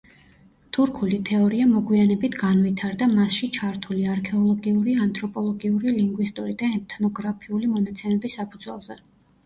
თურქული თეორია მოგვიანებით განვითარდა მასში ჩართული არქეოლოგიური, ანთროპოლოგიური, ლინგვისტური და ეთნოგრაფიული მონაცემების საფუძველზე.